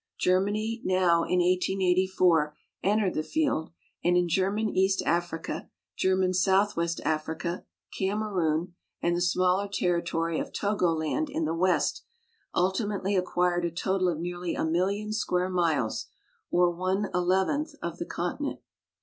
Ger many now in 1884 entered the field and in German East Africa, German Southwest Africa, Kamerun, and the smaller territory of Togoland in the West ultimately ac quired a total of nearly a million square miles, or one eleventh of the continent.